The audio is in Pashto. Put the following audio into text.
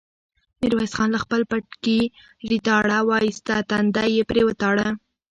ميرويس خان له خپل پټکي ريتاړه واېسته، تندی يې پرې وتاړه.